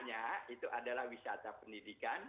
nah ini juga bisa dikombinasi dengan pendidikan